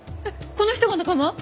この人が仲間？